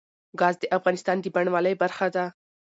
ګاز د افغانستان د بڼوالۍ برخه ده.